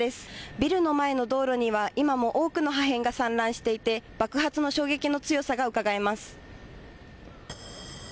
ビルの前の道路には今も多くの破片が散乱していて爆発の衝撃の強さがうかがえます。